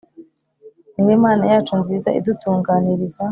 ni we mana yacu nziza idutunganiriza